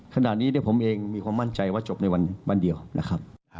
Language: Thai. ขณะนี้ผมเองมีความมั่นใจว่าจบในวันเดียวนะครับ